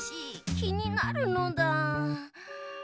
きになるのだ。